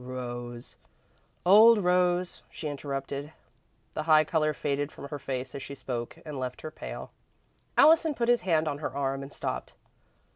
"Rose " "Old Rose," she interrupted. The high colour faded from her face as she spoke and left her pale. Allison put his hand on her arm and stopped.